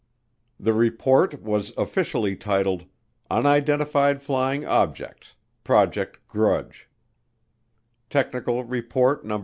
The report was officially titled "Unidentified Flying Objects Project Grudge," Technical Report No.